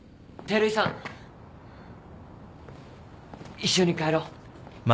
一緒に帰ろう。